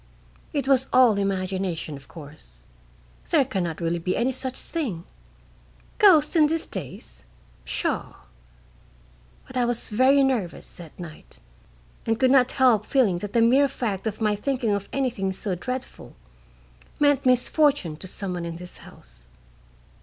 "It was all imagination, of course there can not really be any such thing. Ghosts in these days? Pshaw! But I was very, nervous that night and could not help feeling that the mere fact of my thinking of anything so dreadful meant misfortune to some one in this house.